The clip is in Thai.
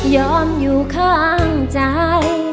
ยอมอยู่ข้างใจ